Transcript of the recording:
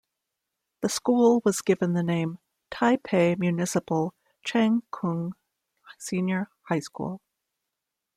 The school was given the name Taipei Municipal Cheng Kung Senior High School.